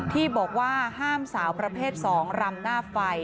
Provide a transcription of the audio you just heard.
ที่บอกว่าห้ามสาวประเภท๒รำหน้าไฟ